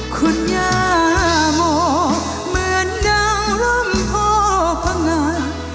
คุณอย่างโหมเหมือนดังรมโทษภงัน